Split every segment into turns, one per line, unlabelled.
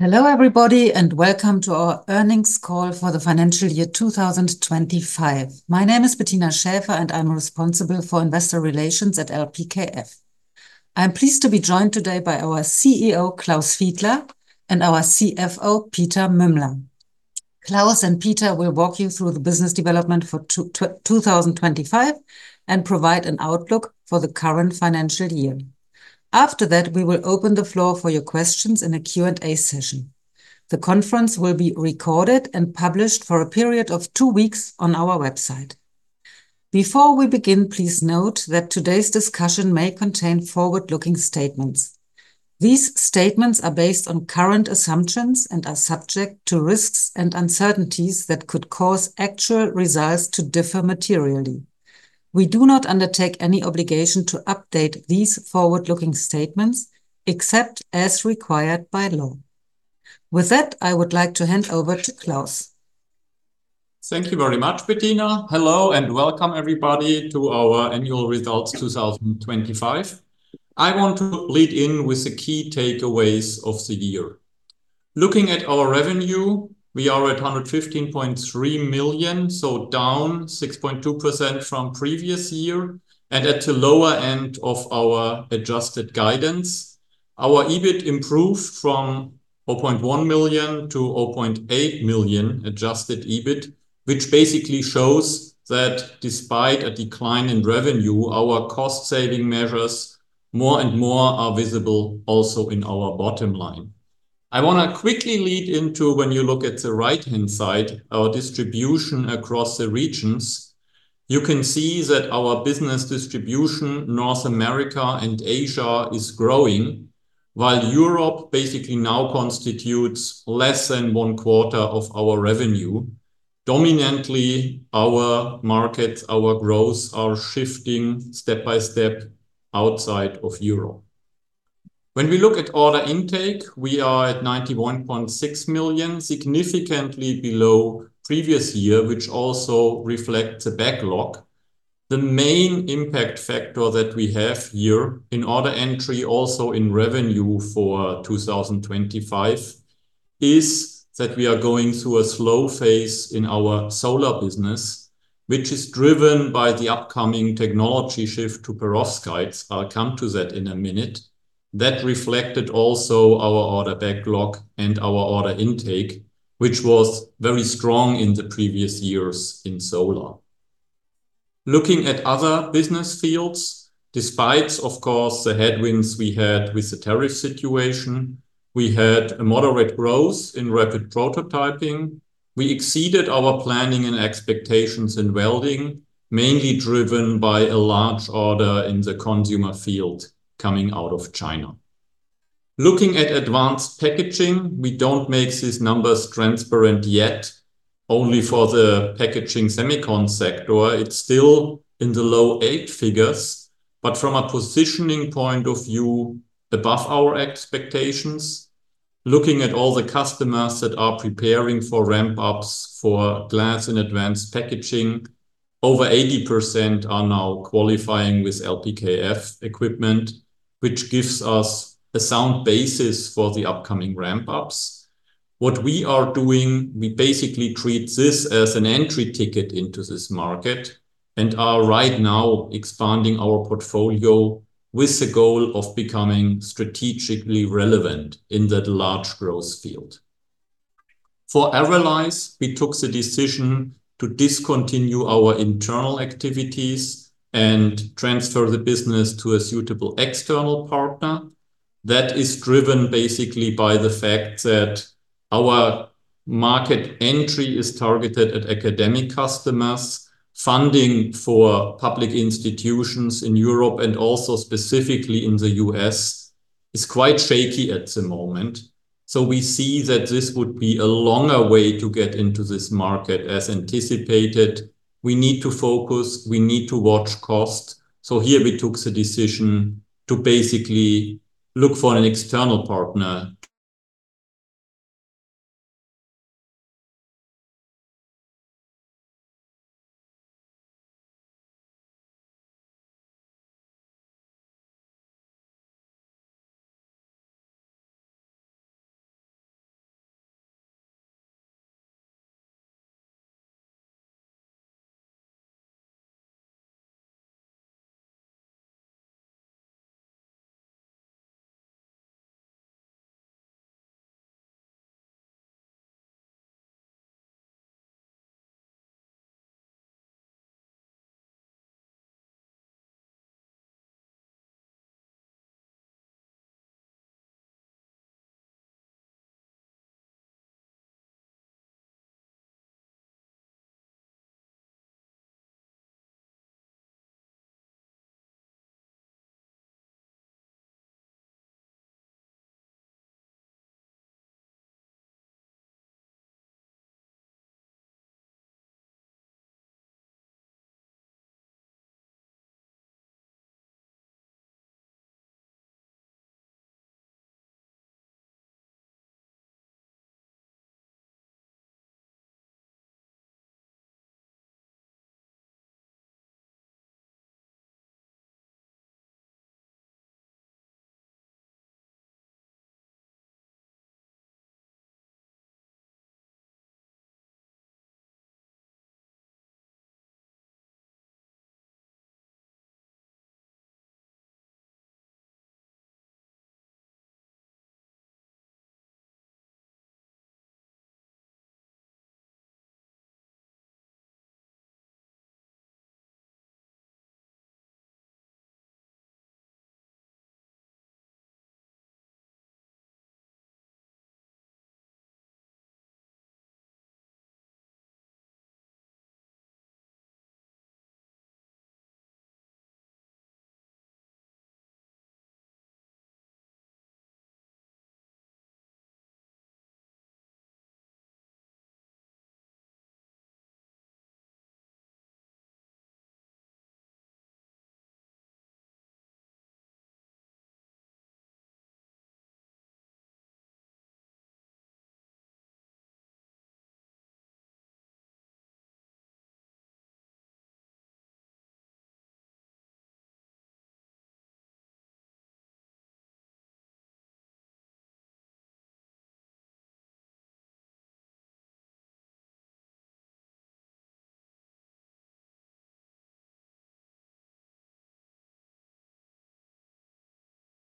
Hello everybody, and welcome to our earnings call for the financial year 2025. My name is Bettina Schäfer, and I'm responsible for investor relations at LPKF. I'm pleased to be joined today by our CEO, Klaus Fiedler, and our CFO, Peter Mümmler. Klaus and Peter will walk you through the business development for 2025 and provide an outlook for the current financial year. After that, we will open the floor for your questions in a Q&A session. The conference will be recorded and published for a period of two weeks on our website. Before we begin, please note that today's discussion may contain forward-looking statements. These statements are based on current assumptions and are subject to risks and uncertainties that could cause actual results to differ materially. We do not undertake any obligation to update these forward-looking statements except as required by law. With that, I would like to hand over to Klaus.
Thank you very much, Bettina. Hello, and welcome everybody to our annual results 2025. I want to lead in with the key takeaways of the year. Looking at our revenue, we are at 115.3 million, so down 6.2% from previous year and at the lower end of our adjusted guidance. Our EBIT improved from 0.1 million-0.8 million Adjusted EBIT, which basically shows that despite a decline in revenue, our cost saving measures more and more are visible also in our bottom line. I wanna quickly lead into when you look at the right-hand side, our distribution across the regions. You can see that our business distribution, North America and Asia, is growing while Europe basically now constitutes less than one quarter of our revenue. Dominantly, our markets, our growths are shifting step by step outside of Europe. When we look at order intake, we are at 91.6 million, significantly below previous year, which also reflects the backlog. The main impact factor that we have here in order entry, also in revenue for 2025, is that we are going through a slow phase in our solar business, which is driven by the upcoming technology shift to perovskites. I'll come to that in a minute. That reflected also our order backlog and our order intake, which was very strong in the previous years in solar. Looking at other business fields, despite of course the headwinds we had with the tariff situation, we had a moderate growth in rapid prototyping. We exceeded our planning and expectations in welding, mainly driven by a large order in the consumer field coming out of China. Looking at advanced packaging, we don't make these numbers transparent yet, only for the packaging semicon sector. It's still in the low eight figures, but from a positioning point of view, above our expectations. Looking at all the customers that are preparing for ramp-ups for glass and advanced packaging, over 80% are now qualifying with LPKF equipment, which gives us a sound basis for the upcoming ramp-ups. What we are doing, we basically treat this as an entry ticket into this market and are right now expanding our portfolio with the goal of becoming strategically relevant in that large growth field. For Everlys, we took the decision to discontinue our internal activities and transfer the business to a suitable external partner. That is driven basically by the fact that our market entry is targeted at academic customers. Funding for public institutions in Europe and also specifically in the U.S. is quite shaky at the moment, so we see that this would be a longer way to get into this market as anticipated. We need to focus. We need to watch cost. Here we took the decision to basically look for an external partner.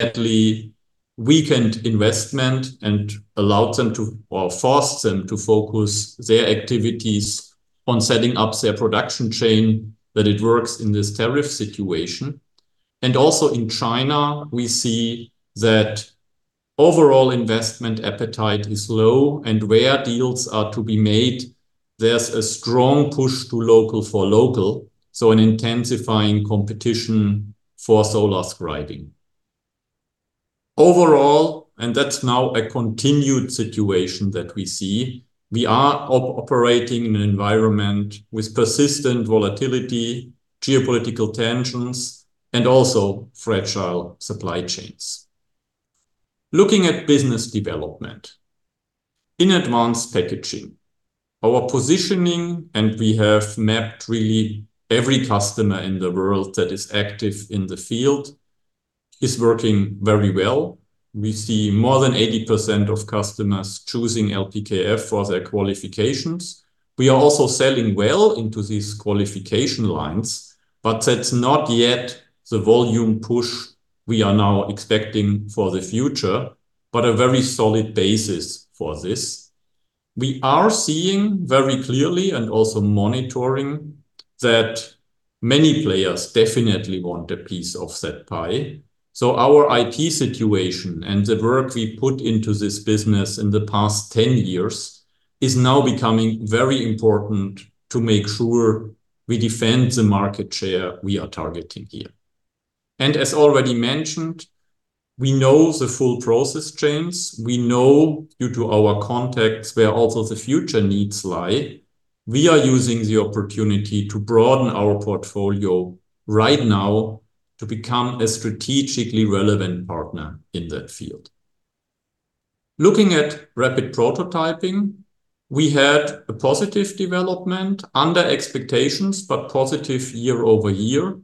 At the weakened investment and allowed them to, or forced them to focus their activities on setting up their production chain, that it works in this tariff situation. Also in China, we see that overall investment appetite is low, and where deals are to be made, there's a strong push to local for local, so an intensifying competition for solar scribing. Overall, that's now a continued situation that we see, we are operating in an environment with persistent volatility, geopolitical tensions and also fragile supply chains. Looking at business development. In advanced packaging, our positioning, and we have mapped really every customer in the world that is active in the field, is working very well. We see more than 80% of customers choosing LPKF for their qualifications. We are also selling well into these qualification lines, but that's not yet the volume push we are now expecting for the future, but a very solid basis for this. We are seeing very clearly and also monitoring that many players definitely want a piece of that pie. So our IP situation and the work we put into this business in the past 10 years is now becoming very important to make sure we defend the market share we are targeting here. As already mentioned, we know the full process chains. We know, due to our contacts, where also the future needs lie. We are using the opportunity to broaden our portfolio right now to become a strategically relevant partner in that field. Looking at rapid prototyping, we had a positive development under expectations, but positive year-over-year.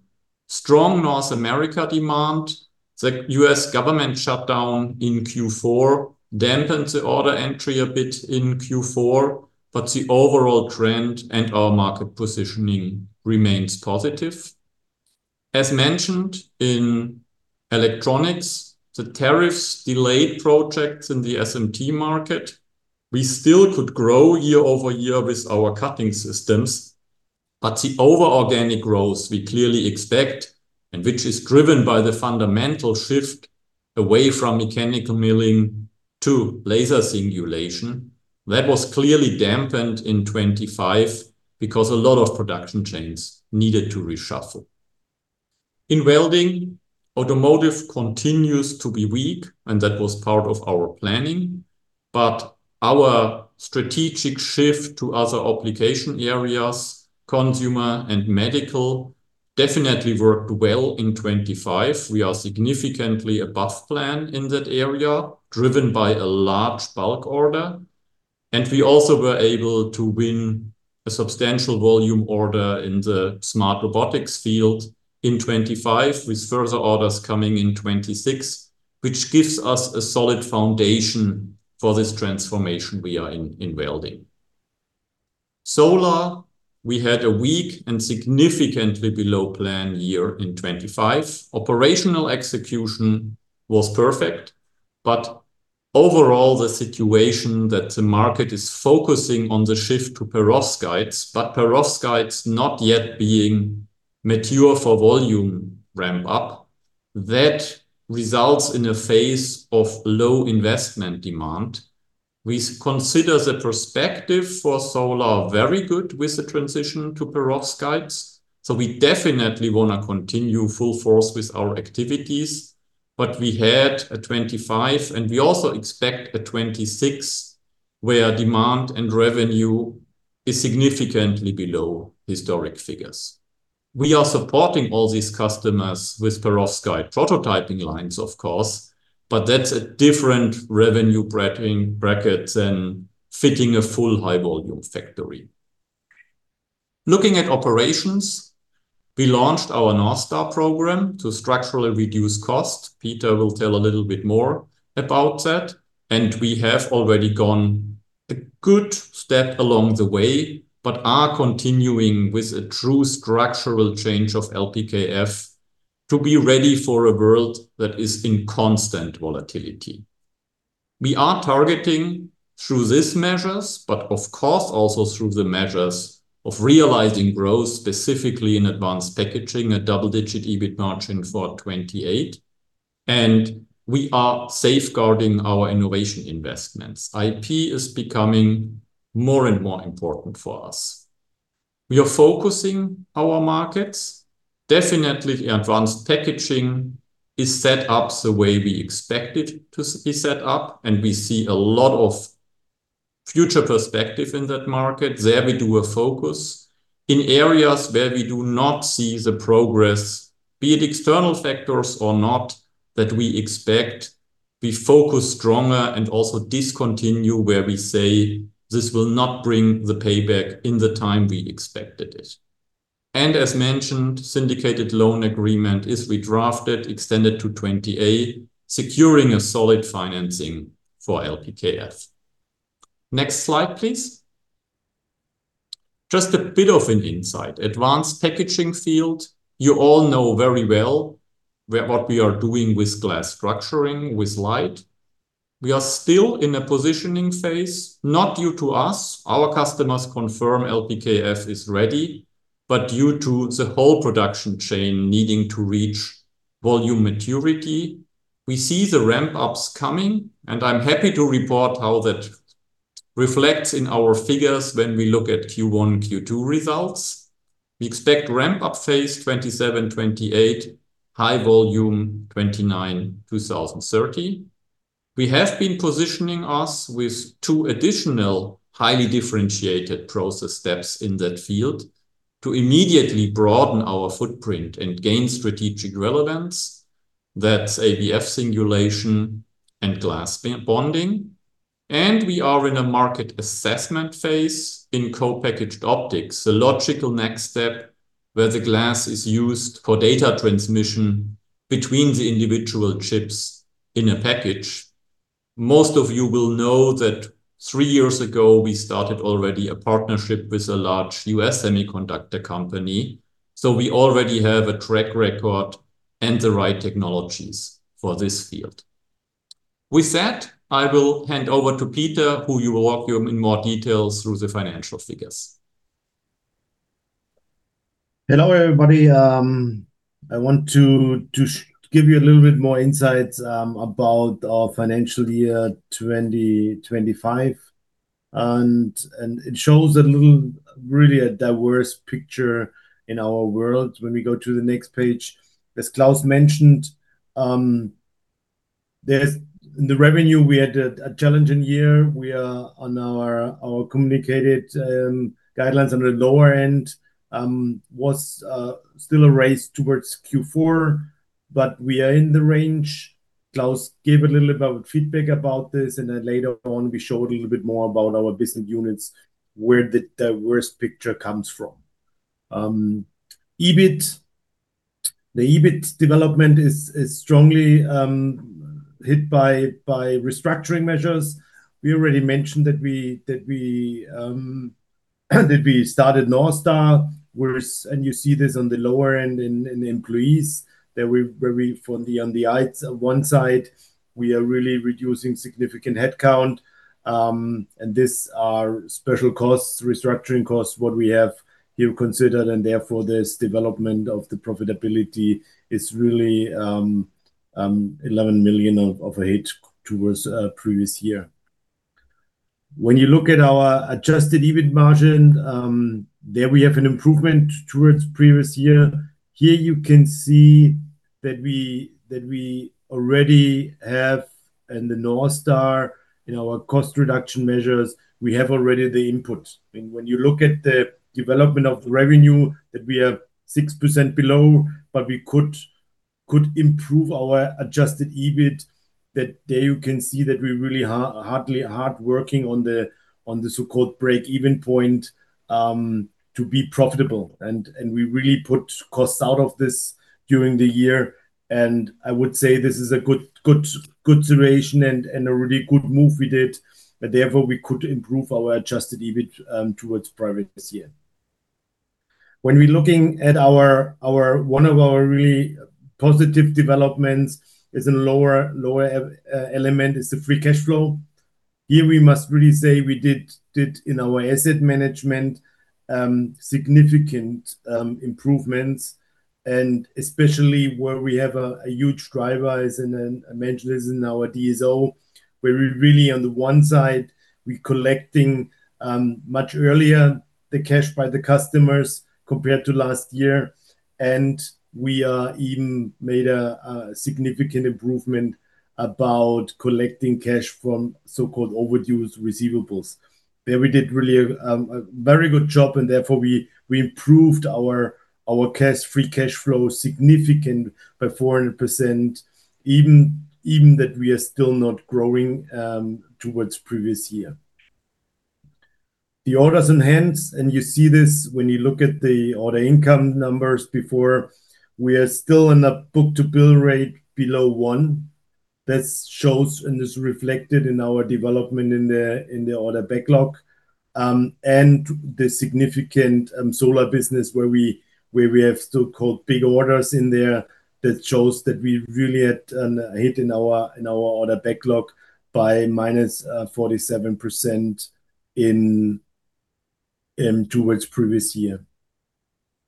Strong North America demand. The U.S. government shutdown in Q4 dampened the order entry a bit in Q4, but the overall trend and our market positioning remains positive. As mentioned, in electronics, the tariffs delayed projects in the SMT market. We still could grow year-over-year with our cutting systems. The organic growth we clearly expect, and which is driven by the fundamental shift away from mechanical milling to laser singulation, that was clearly dampened in 2025 because a lot of production chains needed to reshuffle. In welding, automotive continues to be weak, and that was part of our planning. Our strategic shift to other application areas, consumer and medical, definitely worked well in 2025. We are significantly above plan in that area, driven by a large bulk order. We also were able to win a substantial volume order in the smart robotics field in 2025, with further orders coming in 2026, which gives us a solid foundation for this transformation we are in welding. Solar, we had a weak and significantly below-plan year in 2025. Operational execution was perfect, but overall the situation that the market is focusing on the shift to perovskites, but perovskites not yet being mature for volume ramp up, that results in a phase of low investment demand. We consider the perspective for solar very good with the transition to perovskites, so we definitely want to continue full force with our activities. We had a 2025, and we also expect a 2026, where demand and revenue is significantly below historic figures. We are supporting all these customers with perovskite prototyping lines, of course, but that's a different revenue bracket than fitting a full high-volume factory. Looking at operations, we launched our North Star program to structurally reduce cost. Peter will tell a little bit more about that. We have already gone a good step along the way, but are continuing with a true structural change of LPKF to be ready for a world that is in constant volatility. We are targeting through these measures, but of course also through the measures of realizing growth, specifically in advanced packaging, a double-digit EBIT margin for 2028. We are safeguarding our innovation investments. IP is becoming more and more important for us. We are focusing our markets. Definitely, advanced packaging is set up the way we expect it to be set up, and we see a lot of future perspective in that market. There we do a focus. In areas where we do not see the progress, be it external factors or not, that we expect, we focus stronger and also discontinue where we say, "This will not bring the payback in the time we expected it." As mentioned, syndicated loan agreement is redrafted, extended to 2028, securing a solid financing for LPKF. Next slide, please. Just a bit of an insight. Advanced packaging field, you all know very well where what we are doing with glass structuring with LIDE. We are still in a positioning phase, not due to us. Our customers confirm LPKF is ready, but due to the whole production chain needing to reach volume maturity. We see the ramp-ups coming, and I'm happy to report how that reflects in our figures when we look at Q1, Q2 results. We expect ramp-up phase 27, phase 28, high volume 29, 2030. We have been positioning us with two additional highly differentiated process steps in that field to immediately broaden our footprint and gain strategic relevance. That's ABF singulation and glass bonding. We are in a market assessment phase in co-packaged optics, the logical next step where the glass is used for data transmission between the individual chips in a package. Most of you will know that three years ago, we started already a partnership with a large U.S. semiconductor company, so we already have a track record and the right technologies for this field. With that, I will hand over to Peter, who will walk you through more details on the financial figures.
Hello, everybody. I want to give you a little bit more insights about our financial year 2025. It shows a little, really a diverse picture in our world when we go to the next page. As Klaus mentioned, In the revenue, we had a challenging year. We are on our communicated guidelines on the lower end, was still a race towards Q4, but we are in the range. Klaus gave a little about feedback about this, and then later on, we show a little bit more about our business units, where the diverse picture comes from. EBIT. The EBIT development is strongly hit by restructuring measures. We already mentioned that we started North Star. You see this on the lower end in employees. On one side, we are really reducing significant headcount, and these are special costs, restructuring costs which we have here considered, and therefore, this development of the profitability is really 11 million ahead of previous year. When you look at our adjusted EBIT margin, there we have an improvement to previous year. Here you can see that we already have in the North Star, in our cost reduction measures, we have already the impact. When you look at the development of the revenue that we are 6% below, but we could improve our adjusted EBIT. Then you can see that we really are working hard on the so-called break-even point to be profitable. We really took costs out of this during the year. I would say this is a good situation and a really good move we did. Therefore, we could improve our adjusted EBIT towards positive this year. One of our really positive developments is the free cash flow. Here we must really say we did in our asset management significant improvements, and especially where we have a huge driver, as I mentioned, is in our DSO, where we really on the one side we collecting much earlier the cash by the customers compared to last year. We even made a significant improvement about collecting cash from so-called overdue receivables. There we did really a very good job and therefore we improved our free cash flow significantly by 400%, even though we are still not growing towards the previous year. The orders in hand, and you see this when you look at the order intake numbers before, we are still in a book-to-bill rate below one. That shows and is reflected in our development in the order backlog. The significant solar business where we have big orders in there that shows that we really had a hit in our order backlog by -47% compared to the previous year.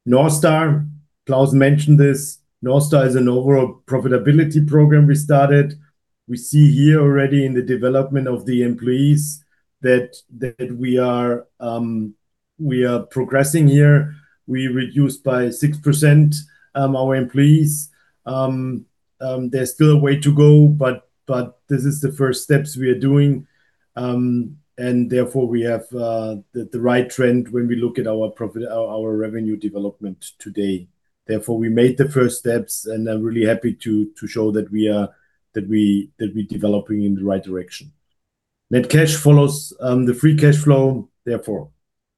North Star, Klaus mentioned this. North Star is an overall profitability program we started. We see here already in the development of the employees that we are progressing here. We reduced our employees by 6%. There's still a way to go, but this is the first steps we are doing. Therefore we have the right trend when we look at our profit, our revenue development today. Therefore, we made the first steps, and I'm really happy to show that we are developing in the right direction. Net cash follows the free cash flow therefore.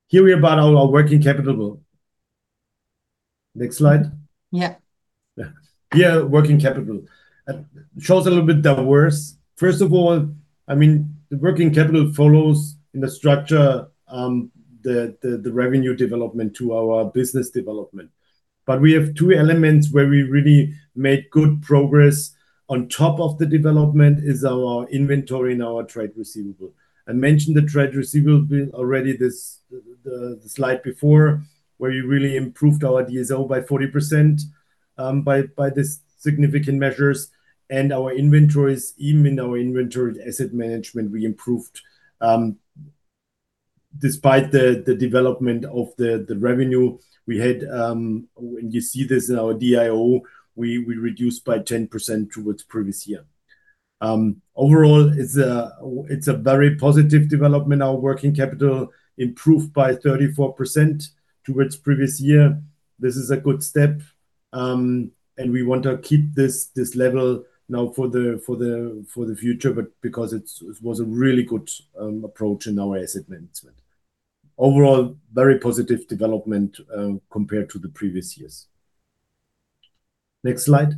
Here we about our working capital. Next slide.
Yeah.
Yeah. Here, working capital shows a little bit diverse. First of all, I mean, the working capital follows in the structure the revenue development to our business development. We have two elements where we really made good progress on top of the development is our inventory and our trade receivable. I mentioned the trade receivable bill already this the slide before, where we really improved our DSO by 40% by the significant measures and our inventories, even in our inventory asset management we improved. Despite the development of the revenue we had when you see this in our DIO, we reduced by 10% towards previous year. Overall, it's a very positive development. Our working capital improved by 34% towards previous year. This is a good step, and we want to keep this level now for the future, but because it was a really good approach in our asset management. Overall, very positive development, compared to the previous years. Next slide.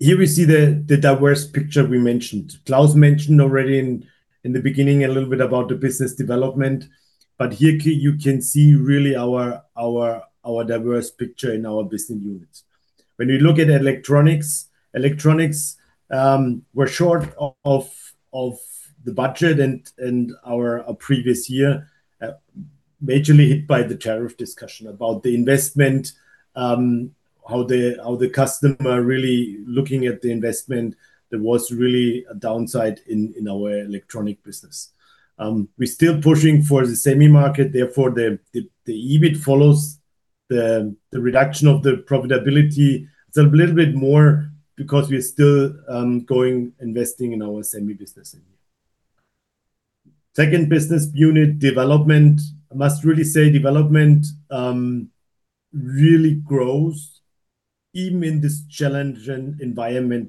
Here we see the diverse picture we mentioned. Klaus mentioned already in the beginning a little bit about the business development, but here you can see really our diverse picture in our business units. When we look at Electronics, we're short of the budget and our previous year, majorly hit by the tariff discussion about the investment, how the customer really looking at the investment. There was really a downside in our Electronics business. We're still pushing for the semi market, therefore the EBIT follows the reduction of the profitability. It's a little bit more because we are still going investing in our semi business in here. Second business unit development. I must really say development really grows even in this challenging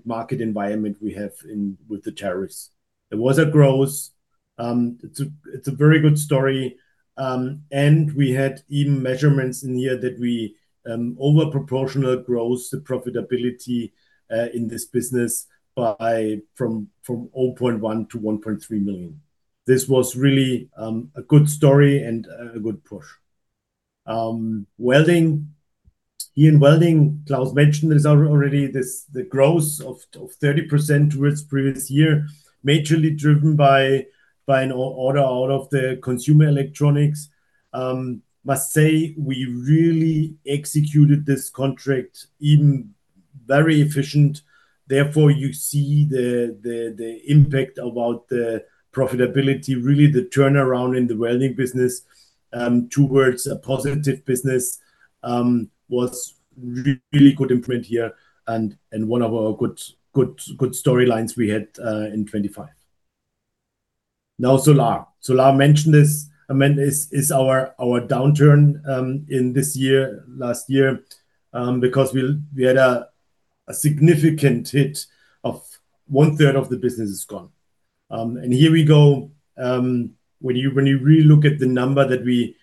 market environment we have in with the tariffs. It was a growth. It's a very good story. And we had even measurements in here that we over proportional growth the profitability in this business by from 0.1 million-1.3 million. This was really a good story and a good push. Welding. In welding, Klaus mentioned this already, the growth of 30% towards previous year, majorly driven by an order out of the consumer electronics. I must say we really executed this contract even very efficient. Therefore, you see the impact about the profitability, really the turnaround in the welding business towards a positive business was really good imprint here and one of our good storylines we had in 2025. Now solar. Solar mentioned this. I mean, this is our downturn in this year, last year, because we had a significant hit of one-third of the business is gone. Here we go, when you really look at the number that we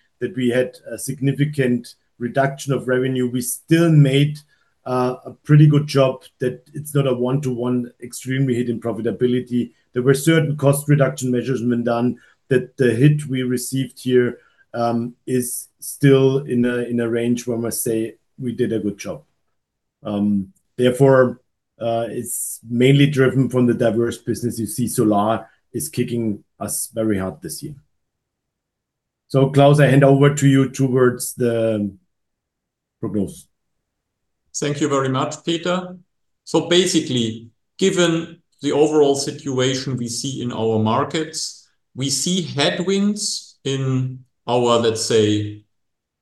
had a significant reduction of revenue, we still made a pretty good job that it's not a one-to-one extremely hit in profitability. There were certain cost reduction measures been done that the hit we received here is still in a range where I must say we did a good job. Therefore, it's mainly driven from the diverse business. You see solar is kicking us very hard this year. Klaus, I hand over to you towards the prognosis.
Thank you very much, Peter. Basically, given the overall situation we see in our markets, we see headwinds in our, let's say,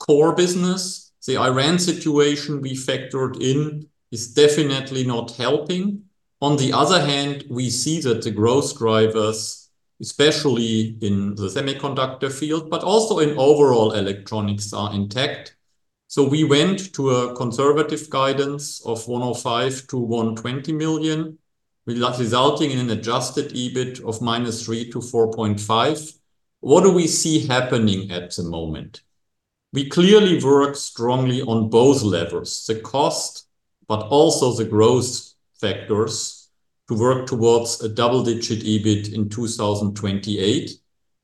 core business. The Iran situation we factored in is definitely not helping. On the other hand, we see that the growth drivers, especially in the semiconductor field, but also in overall electronics, are intact. We went to a conservative guidance of 105 million-120 million, resulting in an adjusted EBIT of -3 million to -4.5 million. What do we see happening at the moment? We clearly work strongly on both levels, the cost, but also the growth factors to work towards a double-digit EBIT in 2028.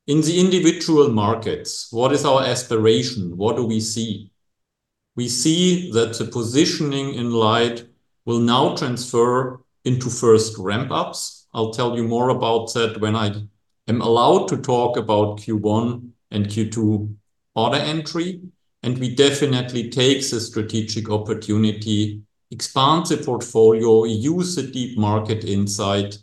In the individual markets, what is our aspiration? What do we see? We see that the positioning in LIDE will now transfer into first ramp-ups. I'll tell you more about that when I am allowed to talk about Q1 and Q2 order entry, and we definitely take the strategic opportunity, expand the portfolio, use the deep market insight.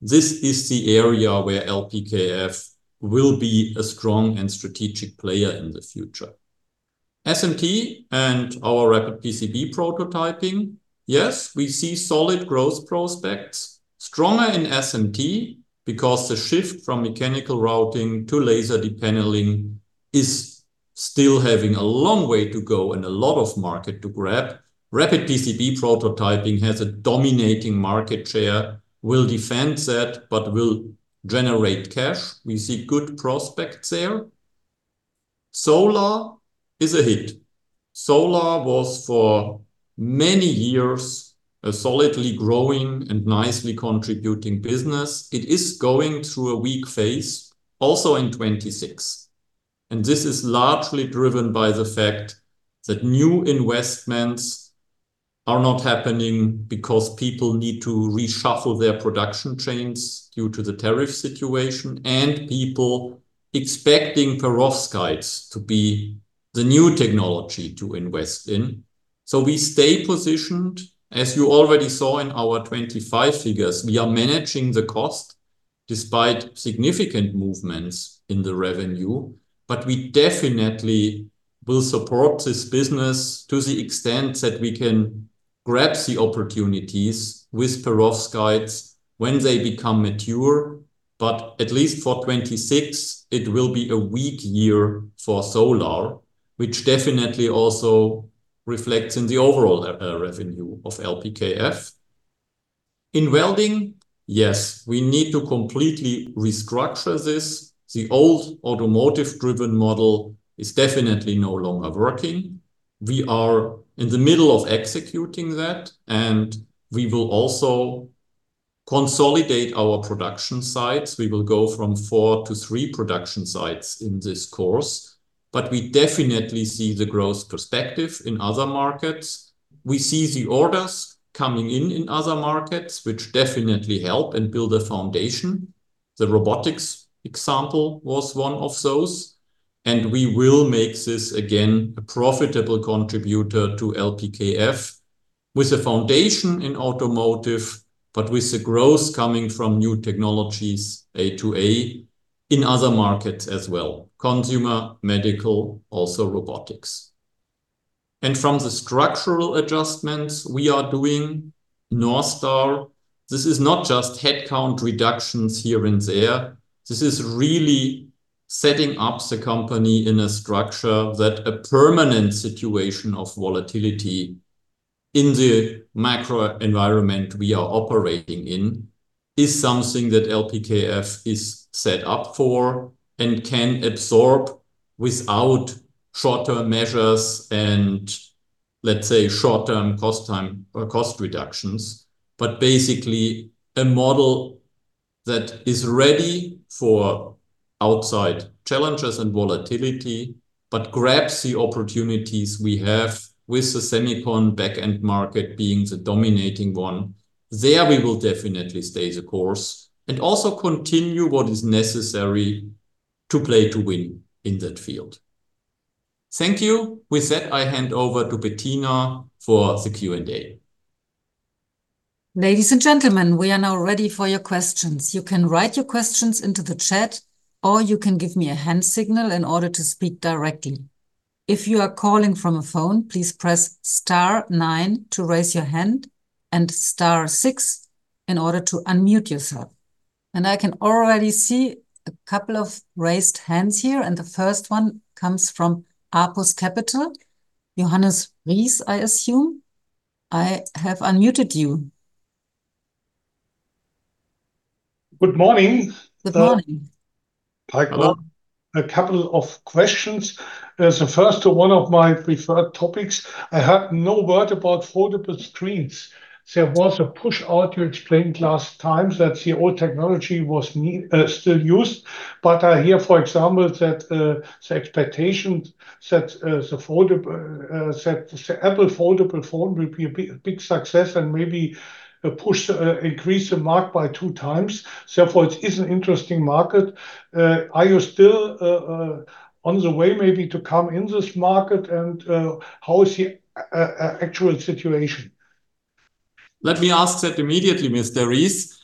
This is the area where LPKF will be a strong and strategic player in the future. SMT and our rapid PCB prototyping. Yes, we see solid growth prospects. Stronger in SMT because the shift from mechanical routing to laser depaneling is still having a long way to go and a lot of market to grab. Rapid PCB prototyping has a dominating market share. We'll defend that, but we'll generate cash. We see good prospects there. Solar is a hit. Solar was for many years a solidly growing and nicely contributing business. It is going through a weak phase also in 2026, and this is largely driven by the fact that new investments are not happening because people need to reshuffle their production chains due to the tariff situation, and people expecting perovskites to be the new technology to invest in. We stay positioned. As you already saw in our 2025 figures, we are managing the cost despite significant movements in the revenue. We definitely will support this business to the extent that we can grab the opportunities with perovskites when they become mature. At least for 2026, it will be a weak year for solar, which definitely also reflects in the overall revenue of LPKF. In welding, yes, we need to completely restructure this. The old automotive-driven model is definitely no longer working. We are in the middle of executing that, and we will also consolidate our production sites. We will go from four to three production sites in this course. We definitely see the growth perspective in other markets. We see the orders coming in in other markets, which definitely help and build a foundation. The robotics example was one of those, and we will make this again a profitable contributor to LPKF with a foundation in automotive, but with the growth coming from new technologies A2A in other markets as well, consumer, medical, also robotics. From the structural adjustments we are doing, North Star, this is not just headcount reductions here and there. This is really setting up the company in a structure that a permanent situation of volatility in the macro environment we are operating in is something that LPKF is set up for and can absorb without short-term measures and, let's say, short-term cost reductions. Basically a model that is ready for outside challenges and volatility but grabs the opportunities we have with the semicon back-end market being the dominating one. There we will definitely stay the course and also continue what is necessary to play to win in that field. Thank you. With that, I hand over to Bettina for the Q&A.
Ladies and gentlemen, we are now ready for your questions. You can write your questions into the chat, or you can give me a hand signal in order to speak directly. If you are calling from a phone, please press star nine to raise your hand and star six in order to unmute yourself. I can already see a couple of raised hands here, and the first one comes from Apus Capital. Johannes Rees, I assume. I have unmuted you.
Good morning.
Good morning.
Hello.
A couple of questions. First to one of my preferred topics. I heard no word about foldable screens. There was a push out you explained last time that the old technology was still used. I hear, for example, that the expectation that the Apple foldable phone will be a big success and maybe increase the market by two times. Therefore, it is an interesting market. Are you still on the way maybe to come in this market and how is the actual situation?
Let me ask that immediately, Mr. Rees.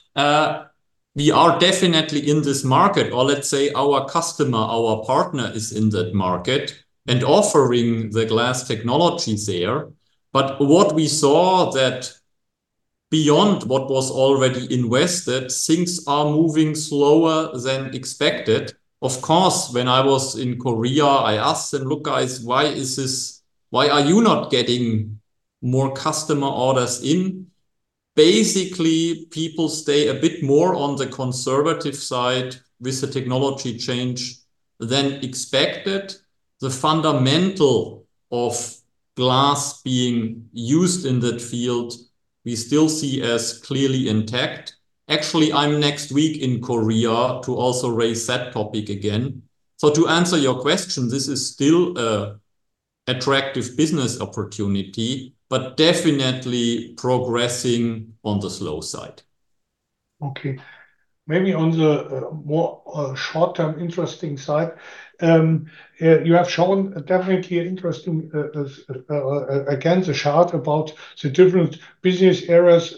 We are definitely in this market, or let's say our customer, our partner is in that market and offering the glass technology there. But what we saw, beyond what was already invested, things are moving slower than expected. Of course, when I was in Korea, I asked them, "Look, guys, why are you not getting more customer orders in?" Basically, people stay a bit more on the conservative side with the technology change than expected. The fundamental of glass being used in that field, we still see as clearly intact. Actually, I'm next week in Korea to also raise that topic again. To answer your question, this is still an attractive business opportunity, but definitely progressing on the slow side.
Okay. Maybe on the more short-term interesting side, you have shown definitely interesting again the chart about the different business areas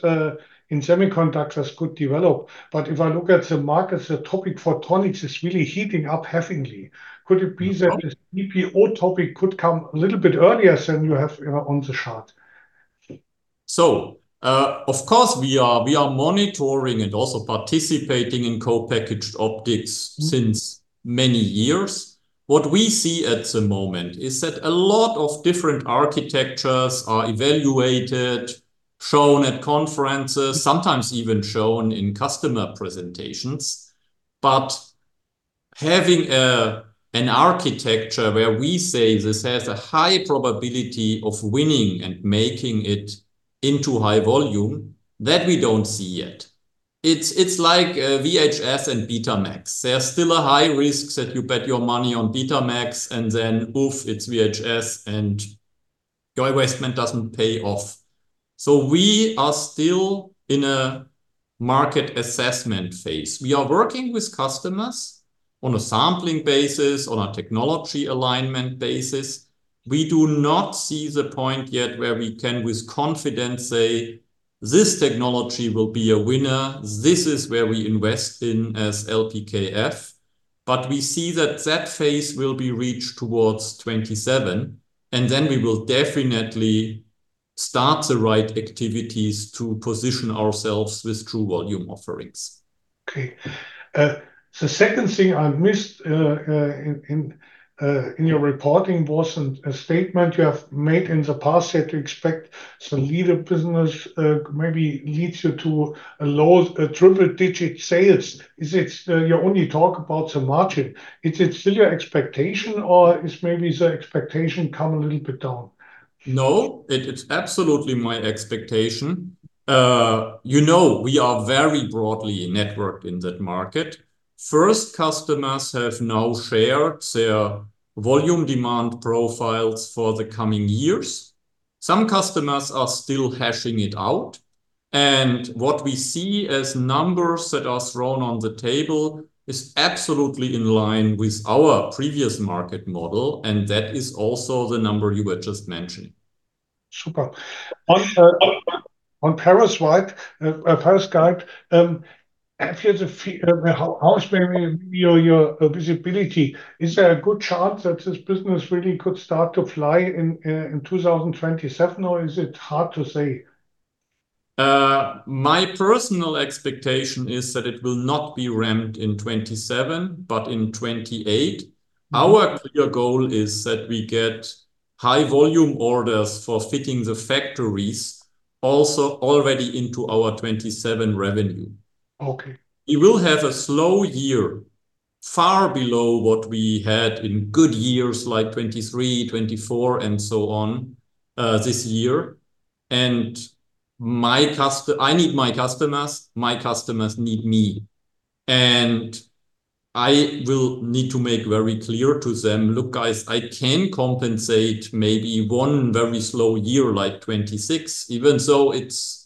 in semiconductors could develop. If I look at the markets, the topic photonics is really heating up heavily. Could it be that-
No.
This CPO topic could come a little bit earlier than you have, you know, on the chart?
Of course, we are monitoring and also participating in co-packaged optics.
Mm.
For many years. What we see at the moment is that a lot of different architectures are evaluated, shown at conferences, sometimes even shown in customer presentations. Having an architecture where we say this has a high probability of winning and making it into high volume, that we don't see yet. It's like VHS and Betamax. There's still a high risk that you bet your money on Betamax, and then oof, it's VHS, and your investment doesn't pay off. We are still in a market assessment phase. We are working with customers on a sampling basis, on a technology alignment basis. We do not see the point yet where we can, with confidence, say, "This technology will be a winner. This is where we invest in as LPKF." We see that that phase will be reached towards 2027, and then we will definitely start the right activities to position ourselves with true volume offerings.
The second thing I missed in your reporting was a statement you have made in the past that you expect some LIDE business, maybe leading to a low triple-digit sales. Is it you only talk about the margin? It's still your expectation, or is maybe the expectation come a little bit down?
No, it's absolutely my expectation. You know, we are very broadly networked in that market. First customers have now shared their volume demand profiles for the coming years. Some customers are still hashing it out. What we see as numbers that are thrown on the table is absolutely in line with our previous market model, and that is also the number you were just mentioning.
Super. On perovskite, how is maybe your visibility? Is there a good chance that this business really could start to fly in 2027, or is it hard to say?
My personal expectation is that it will not be ramped in 2027 but in 2028.
Mm-hmm.
Our clear goal is that we get high volume orders for fitting the factories also already into our 2027 revenue.
Okay.
It will have a slow year, far below what we had in good years like 2023, 2024, and so on, this year. I need my customers, they need me, and I will need to make very clear to them, "Look, guys, I can compensate maybe one very slow year like 2026." Even so, it's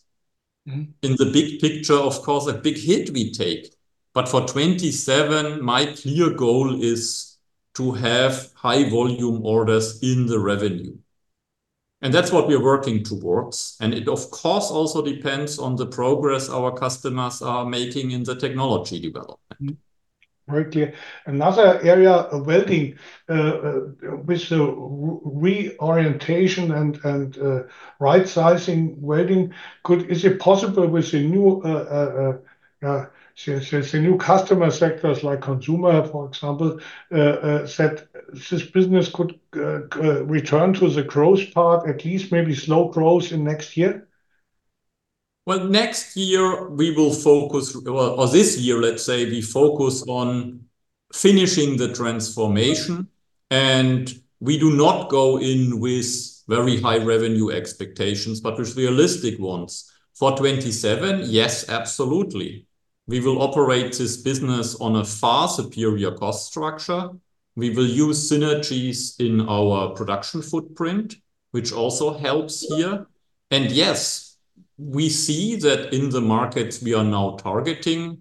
Mm-hmm....
in the big picture, of course, a big hit we take. For 2027, my clear goal is to have high volume orders in the revenue. That's what we're working towards. It, of course, also depends on the progress our customers are making in the technology development.
Very clear. Another area of welding with the reorientation and right-sizing welding could, is it possible with the new customer sectors like consumer, for example, that this business could return to the growth path, at least maybe slow growth in next year?
Well, or this year, let's say, we focus on finishing the transformation. We do not go in with very high revenue expectations but with realistic ones. For 2027, yes, absolutely. We will operate this business on a far superior cost structure. We will use synergies in our production footprint, which also helps here. Yes, we see that in the markets we are now targeting,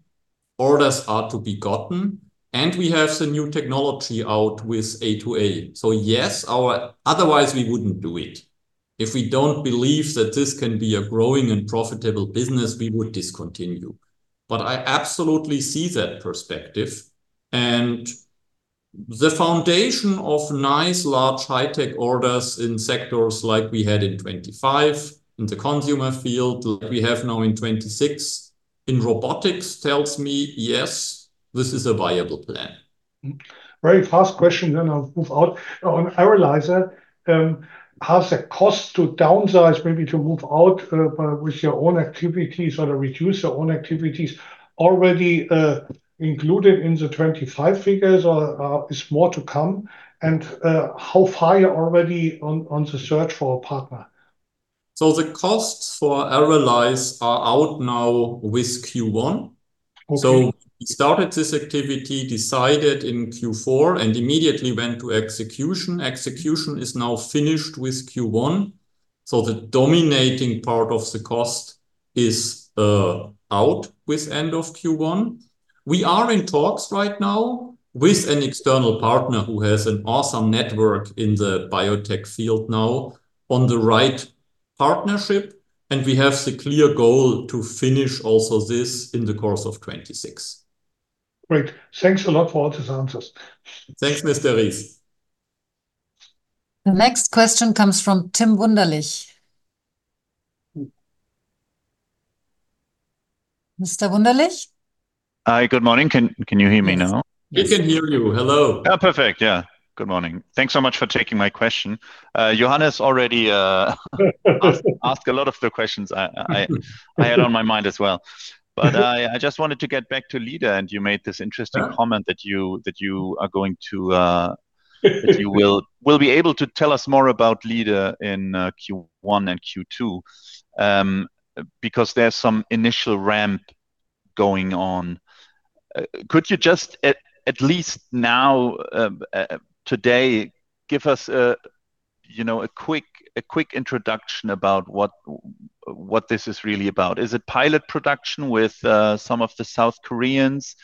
orders are to be gotten, and we have the new technology out with A2A. Yes, or otherwise, we wouldn't do it. If we don't believe that this can be a growing and profitable business, we would discontinue. I absolutely see that perspective and the foundation of nice large high-tech orders in sectors like we had in 2025, in the consumer field that we have now in 2026, in robotics tells me, yes, this is a viable plan.
Very fast question, I'll move out. On ARRALYZE, are the costs to downsize maybe to move out with your own activities or to reduce your own activities already included in the 2025 figures or is more to come? How far are you already on the search for a partner?
The costs for ARRALYZE are out now with Q1.
Okay.
We started this activity, decided in Q4, and immediately went to execution. Execution is now finished with Q1, so the dominating part of the cost is out with end of Q1. We are in talks right now with an external partner who has an awesome network in the biotech field now on the right partnership, and we have the clear goal to finish also this in the course of 2026.
Great. Thanks a lot for all these answers.
Thanks, Mr. Rees.
The next question comes from Tim Wunderlich. Mr. Wunderlich?
Hi. Good morning. Can you hear me now?
Yes.
We can hear you. Hello.
Oh, perfect. Yeah. Good morning. Thanks so much for taking my question. Johannes already asked a lot of the questions I had on my mind as well. I just wanted to get back to LIDE, and you made this interesting-
Uh-huh.
comment that you will be able to tell us more about LIDE in Q1 and Q2, because there's some initial ramp going on. Could you just at least now today give us a, you know, a quick introduction about what this is really about? Is it pilot production with some of the South Koreans?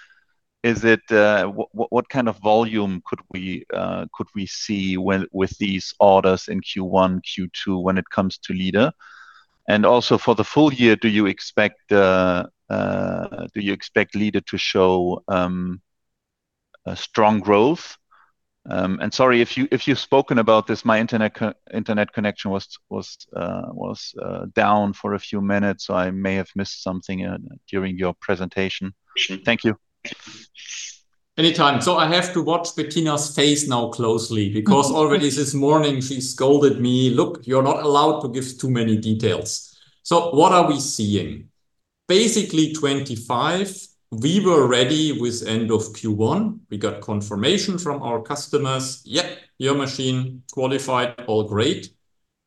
What kind of volume could we see with these orders in Q1, Q2 when it comes to LIDE? Also, for the full year, do you expect LIDE to show a strong growth? Sorry if you've spoken about this. My internet connection was down for a few minutes, so I may have missed something during your presentation. Thank you.
Anytime. I have to watch Bettina's face now closely because already this morning she scolded me, "Look, you're not allowed to give too many details." What are we seeing? Basically, 2025 we were ready with end of Q1. We got confirmation from our customers, "Yep, your machine qualified. All great."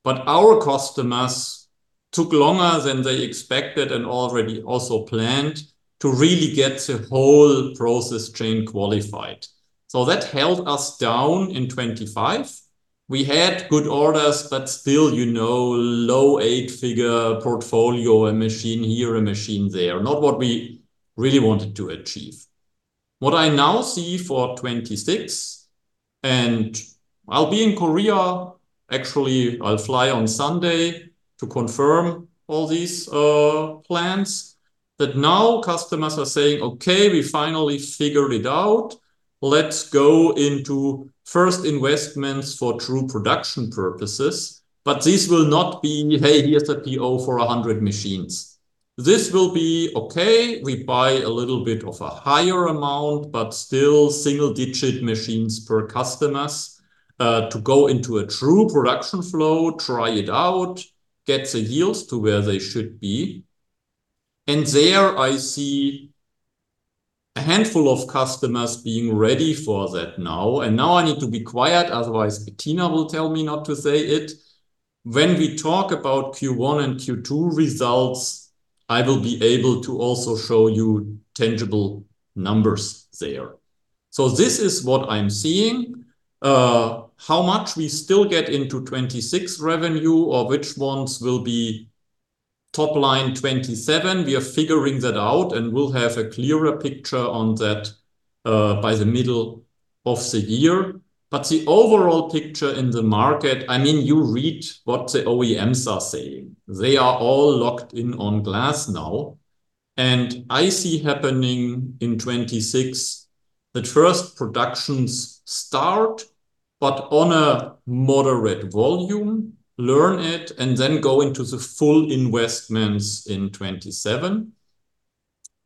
Our customers took longer than they expected and already also planned to really get the whole process chain qualified. That held us down in 2025. We had good orders, but still, you know, low eight-figure portfolio, a machine here, a machine there. Not what we really wanted to achieve. What I now see for 2026, and I'll be in Korea, actually I'll fly on Sunday to confirm all these plans, that now customers are saying, "Okay, we finally figured it out. Let's go into first investments for true production purposes. This will not be, "Hey, here's a PO for 100 machines." This will be, "Okay, we buy a little bit of a higher amount, but still single-digit machines per customers, to go into a true production flow, try it out, get the yields to where they should be." There I see a handful of customers being ready for that now. Now I need to be quiet, otherwise Bettina will tell me not to say it. When we talk about Q1 and Q2 results, I will be able to also show you tangible numbers there. This is what I'm seeing. How much we still get into 2026 revenue or which ones will be top line 2027, we are figuring that out, and we'll have a clearer picture on that, by the middle of the year. The overall picture in the market, I mean, you read what the OEMs are saying. They are all locked in on glass now. I see happening in 2026 the first productions start, but on a moderate volume, learn it, and then go into the full investments in 2027.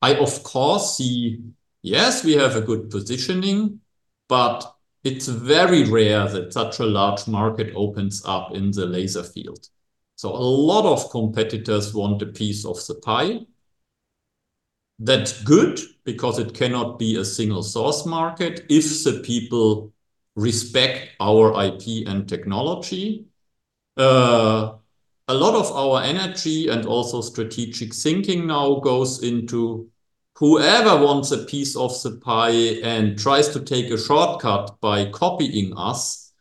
I of course see, yes, we have a good positioning, but it's very rare that such a large market opens up in the laser field. A lot of competitors want a piece of the pie. That's good, because it cannot be a single-source market if the people respect our IP and technology. A lot of our energy and also strategic thinking now goes into whoever wants a piece of the pie and tries to take a shortcut by copying us,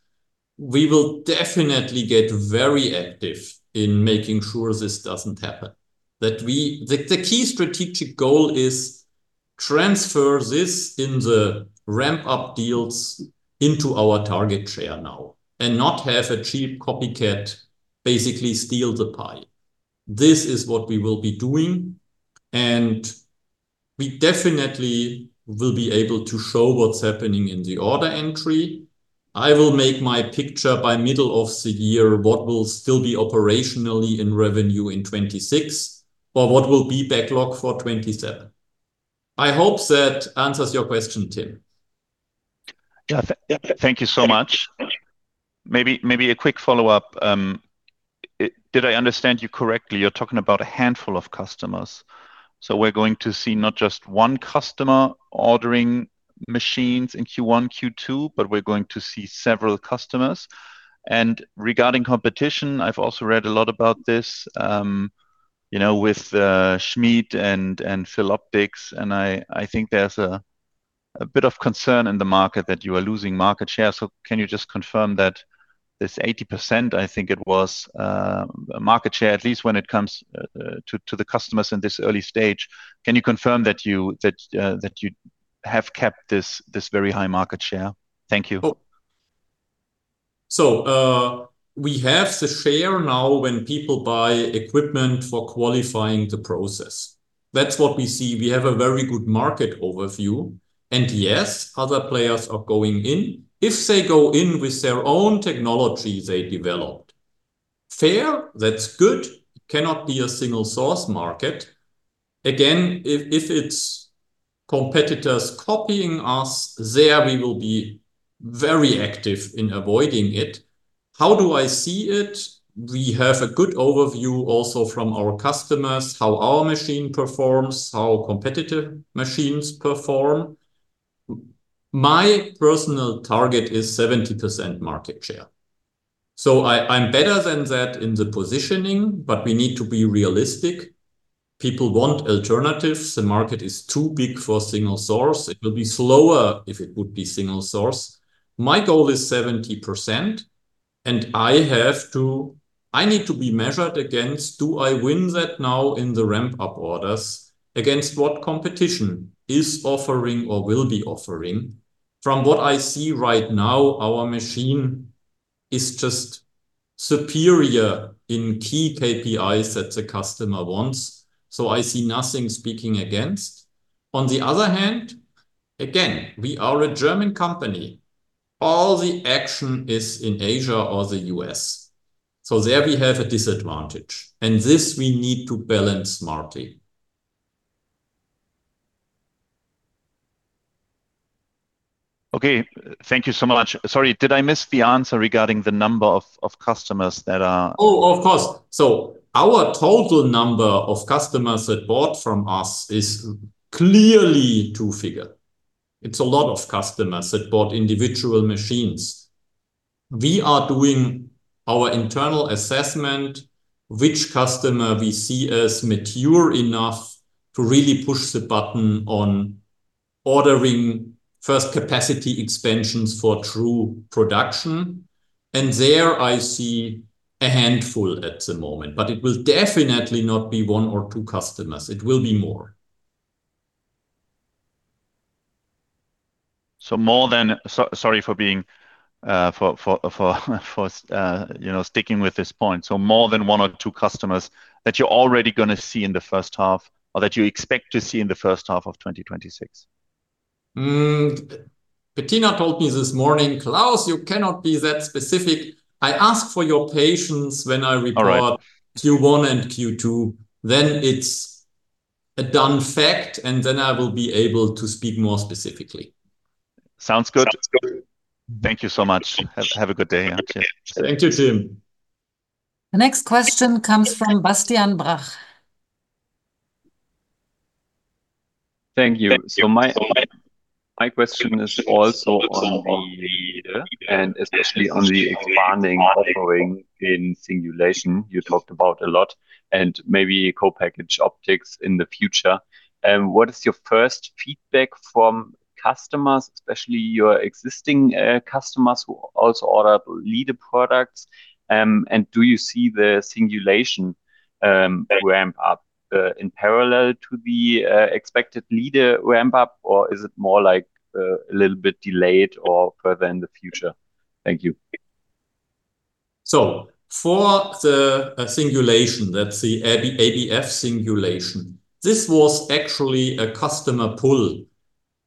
we will definitely get very active in making sure this doesn't happen, that we. The key strategic goal is transfer this in the ramp-up deals into our target share now and not have a cheap copycat basically steal the pie. This is what we will be doing. We definitely will be able to show what's happening in the order entry. I will make my picture by middle of the year what will still be operationally in revenue in 2026 or what will be backlog for 2027. I hope that answers your question, Tim.
Yeah. Thank you so much. Maybe a quick follow-up. Did I understand you correctly, you're talking about a handful of customers? We're going to see not just one customer ordering machines in Q1, Q2, but we're going to see several customers? Regarding competition, I've also read a lot about this, you know, with Schmid and Philoptics, and I think there's a bit of concern in the market that you are losing market share, so can you just confirm that this 80%, I think it was, market share, at least when it comes to the customers in this early stage. Can you confirm that you have kept this very high market share? Thank you.
We have the share now when people buy equipment for qualifying the process. That's what we see. We have a very good market overview. Yes, other players are going in. If they go in with their own technology they developed. Fair, that's good. Cannot be a single source market. Again, if it's competitors copying us, there we will be very active in avoiding it. How do I see it? We have a good overview also from our customers how our machine performs, how competitor machines perform. My personal target is 70% market share. I'm better than that in the positioning, but we need to be realistic. People want alternatives. The market is too big for a single source. It will be slower if it would be single source. My goal is 70%, and I have to... I need to be measured against do I win that now in the ramp-up orders against what competition is offering or will be offering? From what I see right now, our machine is just superior in key KPIs that the customer wants. So I see nothing speaking against. On the other hand, again, we are a German company. All the action is in Asia or the U.S. So there we have a disadvantage. This we need to balance smartly.
Thank you so much. Sorry, did I miss the answer regarding the number of customers that are-
Oh, of course. Our total number of customers that bought from us is clearly two-figure. It's a lot of customers that bought individual machines. We are doing our internal assessment which customer we see as mature enough to really push the button on ordering first capacity expansions for true production, and there I see a handful at the moment, but it will definitely not be one or two customers. It will be more.
Sorry for being for you know sticking with this point. More than one or two customers that you're already gonna see in the first half or that you expect to see in the first half of 2026?
Bettina told me this morning, "Klaus, you cannot be that specific." I ask for your patience when I report.
All right.
Q1 and Q2. It's a done fact, and then I will be able to speak more specifically.
Sounds good. Thank you so much. Have a good day. Okay.
Thank you, Tim.
The next question comes from Bastian Brach.
Thank you. My question is also on the LIDE and especially on the expanding offering in singulation you talked about a lot, and maybe co-packaged optics in the future. What is your first feedback from customers, especially your existing customers who also order LIDE products? Do you see the singulation ramp up in parallel to the expected LIDE ramp-up, or is it more like a little bit delayed or further in the future? Thank you.
For the singulation, that's the ABF singulation, this was actually a customer pull.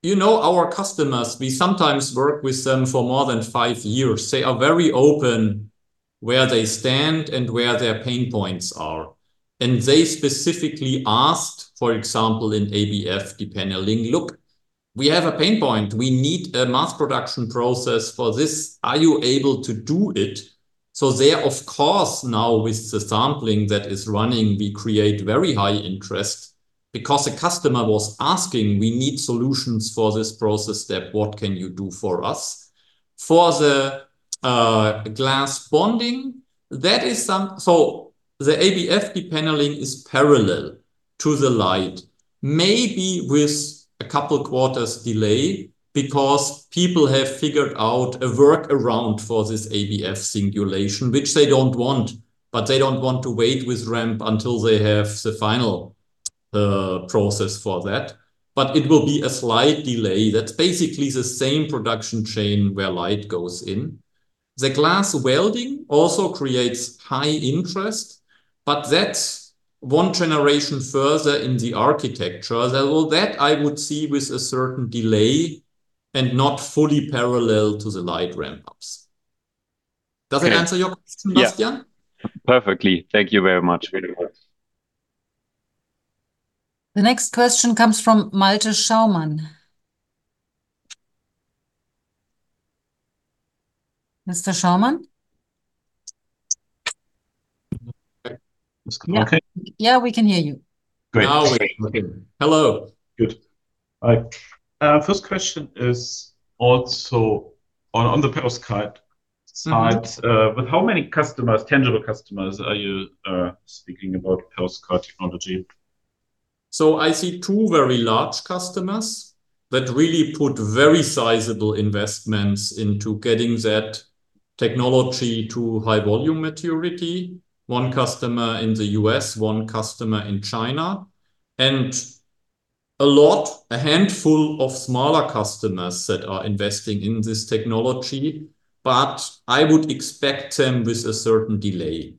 You know our customers, we sometimes work with them for more than five years. They are very open where they stand and where their pain points are. They specifically asked, for example, in ABF depaneling, "Look, we have a pain point. We need a mass production process for this. Are you able to do it?" There, of course, now with the sampling that is running we create very high interest because a customer was asking, "We need solutions for this process step. What can you do for us?" For the glass bonding, that is some. The ABF depaneling is parallel to the light, maybe with a couple quarters delay because people have figured out a workaround for this ABF singulation, which they don't want. They don't want to wait with ramp until they have the final process for that. It will be a slight delay. That's basically the same production chain where LIDE goes in. The glass welding also creates high interest, but that's one generation further in the architecture. That I would see with a certain delay and not fully parallel to the LIDE ramp-ups.
Okay.
Does that answer your question, Bastian?
Perfectly. Thank you very much.
Very well.
The next question comes from Malte Schaumann. Mr. Schaumann? Mr. Schaumann, can you? Yeah, we can hear you.
Great.
Now we can. Hello.
Good. Hi. First question is also on the perovskite side.
Mm-hmm.
With how many customers, tangible customers are you speaking about perovskite technology?
I see two very large customers that really put very sizable investments into getting that technology to high-volume maturity. One customer in the U.S., one customer in China, and a lot, a handful of smaller customers that are investing in this technology, but I would expect them with a certain delay.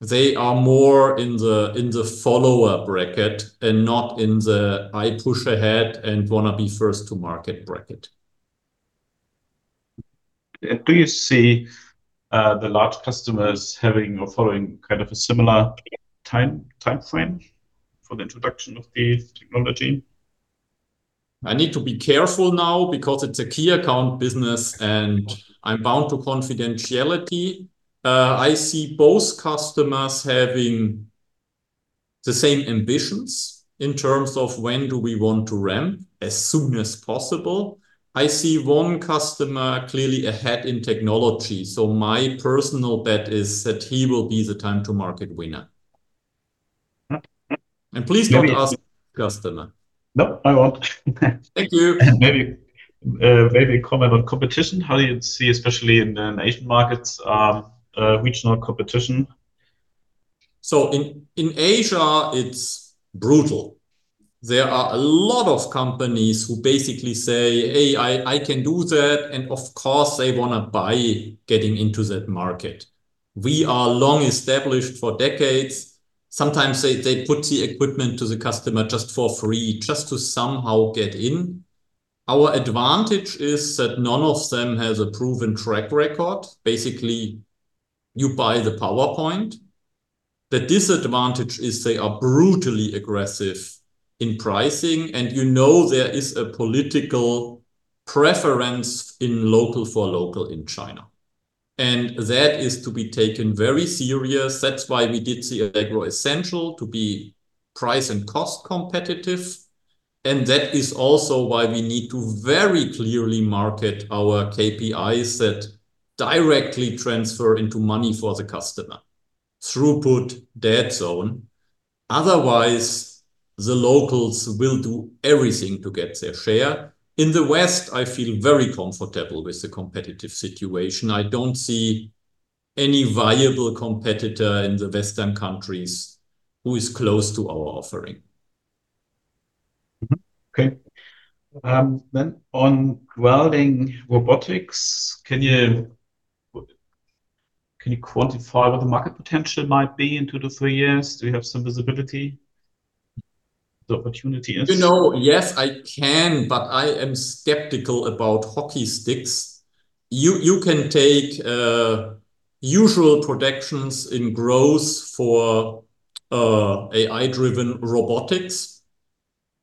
They are more in the follower bracket and not in the I push ahead and want to be first to market bracket.
Do you see the large customers having or following kind of a similar time, timeframe for the introduction of the technology?
I need to be careful now because it's a key account business, and I'm bound to confidentiality. I see both customers having the same ambitions in terms of when do we want to ramp, as soon as possible. I see one customer clearly ahead in technology, so my personal bet is that he will be the time-to-market winner.
Mm-hmm.
Please don't ask.
No
the customer.
No, I won't.
Thank you.
Maybe a comment on competition. How do you see, especially in the Asian markets, regional competition?
In Asia, it's brutal. There are a lot of companies who basically say, "Hey, I can do that," and of course they want to buy getting into that market. We are long established for decades. Sometimes they put the equipment to the customer just for free, just to somehow get in. Our advantage is that none of them has a proven track record. Basically, you buy the PowerPoint. The disadvantage is they are brutally aggressive in pricing, and you know there is a political preference in local for local in China, and that is to be taken very serious. That's why we did the Allegro Essential to be price and cost competitive, and that is also why we need to very clearly market our KPIs that directly transfer into money for the customer, throughput, heat-affected zone. Otherwise, the locals will do everything to get their share. In the West, I feel very comfortable with the competitive situation. I don't see any viable competitor in the Western countries who is close to our offering.
Okay. On welding robotics, can you quantify what the market potential might be in two to three years? Do you have some visibility, the opportunity is-
You know, yes, I can, but I am skeptical about hockey sticks. You can take usual projections in growth for AI-driven robotics,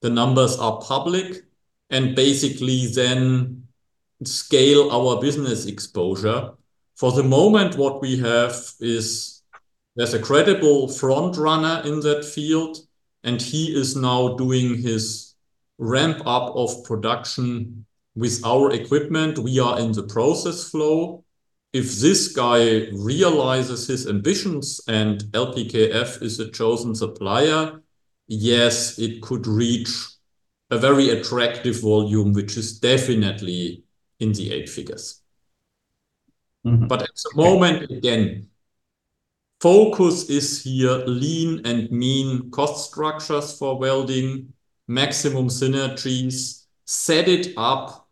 the numbers are public, and basically then scale our business exposure. For the moment, what we have is there's a credible front runner in that field, and he is now doing his ramp up of production with our equipment. We are in the process flow. If this guy realizes his ambitions and LPKF is the chosen supplier, yes, it could reach a very attractive volume, which is definitely in the eight figures.
Mm-hmm.
At the moment, again, focus is here, lean and mean cost structures for welding, maximum synergies, set it up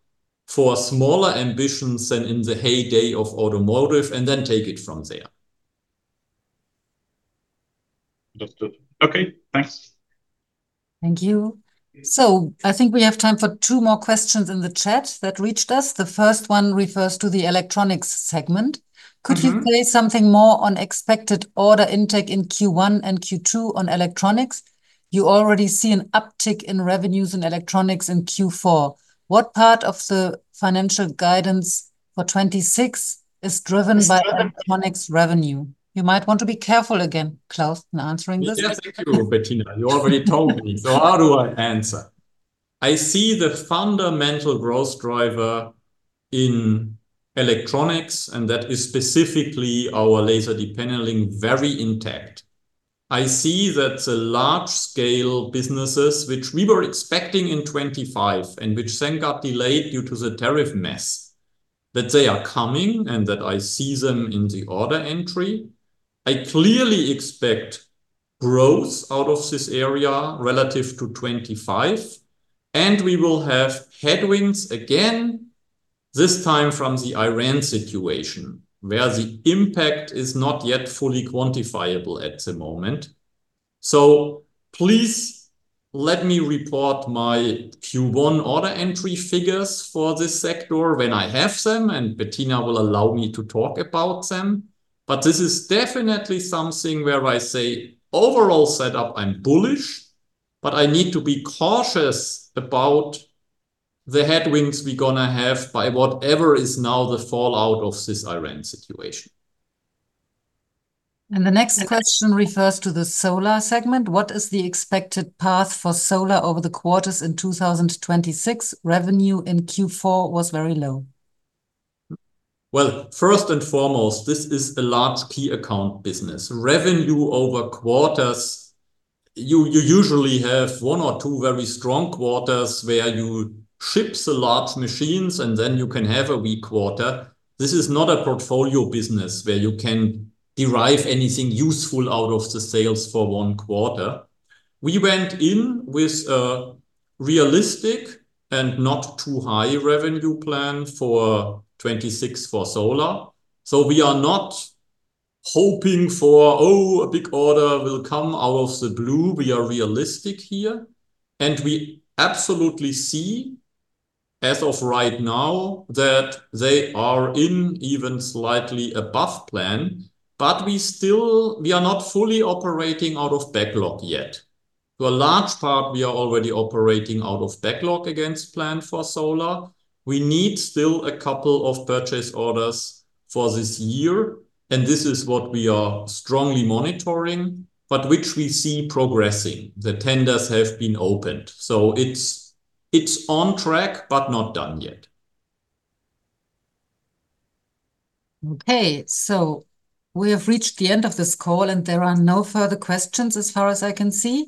for smaller ambitions than in the heyday of automotive, and then take it from there.
Understood. Okay, thanks.
Thank you. I think we have time for two more questions in the chat that reached us. The first one refers to the electronics segment.
Mm-hmm.
Could you say something more on expected order intake in Q1 and Q2 on electronics? You already see an uptick in revenues in electronics in Q4. What part of the financial guidance for 2026 is driven-
It's-
by electronics revenue? You might want to be careful again, Klaus, in answering this.
Yeah, thank you, Bettina. You already told me. How do I answer? I see the fundamental growth driver in electronics, and that is specifically our laser depaneling, very intact. I see that the large-scale businesses which we were expecting in 2025, and which then got delayed due to the tariff mess, that they are coming and that I see them in the order entry. I clearly expect growth out of this area relative to 2025. We will have headwinds again, this time from the Iran situation, where the impact is not yet fully quantifiable at the moment. Please let me report my Q1 order entry figures for this sector when I have them, and Bettina will allow me to talk about them. This is definitely something where I say, overall setup I'm bullish, but I need to be cautious about the headwinds we're gonna have by whatever is now the fallout of this Iran situation.
The next question refers to the solar segment. What is the expected path for solar over the quarters in 2026? Revenue in Q4 was very low.
Well, first and foremost, this is a large key account business. Revenue over quarters, you usually have one or two very strong quarters where you ship the large machines, and then you can have a weak quarter. This is not a portfolio business where you can derive anything useful out of the sales for one quarter. We went in with a realistic and not too high revenue plan for 2026 for solar. We are not hoping for, oh, a big order will come out of the blue. We are realistic here. We absolutely see, as of right now, that they are even slightly above plan. We still are not fully operating out of backlog yet. To a large part, we are already operating out of backlog against plan for solar. We need still a couple of purchase orders for this year, and this is what we are strongly monitoring, but which we see progressing. The tenders have been opened. It's on track, but not done yet.
We have reached the end of this call, and there are no further questions as far as I can see.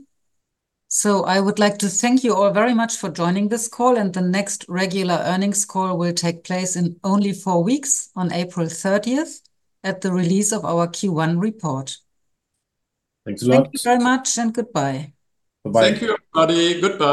I would like to thank you all very much for joining this call, and the next regular earnings call will take place in only four weeks on April 30th at the release of our Q1 report.
Thanks a lot.
Thank you very much, and goodbye.
Bye-bye. Thank you, everybody. Goodbye.